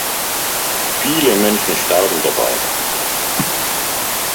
Viele Menschen starben dabei.